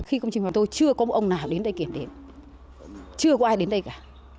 khi công trình mà tôi chưa có một ông nào đến đây kiểm đếm chưa có ai đến đây cả